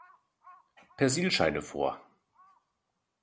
Persilscheine vor.